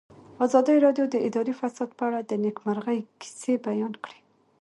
ازادي راډیو د اداري فساد په اړه د نېکمرغۍ کیسې بیان کړې.